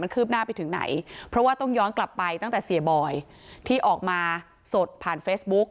คืบหน้าไปถึงไหนเพราะว่าต้องย้อนกลับไปตั้งแต่เสียบอยที่ออกมาสดผ่านเฟซบุ๊ก